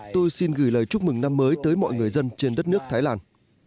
tôi xin gửi lời chúc mừng năm mới tới mọi người dân trên đất nước thái lan